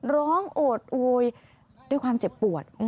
ร้องโอดอวยด้วยความเจ็บปวด